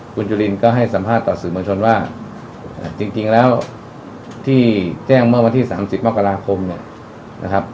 คุณจุลินก็ให้สัมภาษณ์ต่อสื่อมวลชนว่าจริงแล้วที่แจ้งเมื่อวันที่๓๐มกราคมเนี่ยนะครับ